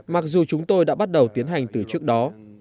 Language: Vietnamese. mặc dù chúng tôi đã bắt đầu tiến hành từ trước đó